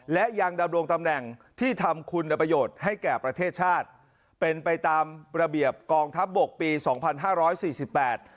และยังดำรงตำแหน่งที่ทำคุณประโยชน์ให้แก่ประเทศชาติเป็นไปตามระเบียบกองทัพบกปีสองพันห้าร้อยสี่สิบแปด